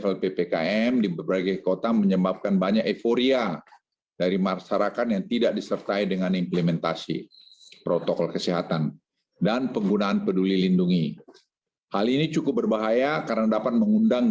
lohut mengingatkan pentingnya protokol kesehatan dan mewaspadai euforia pelonggaran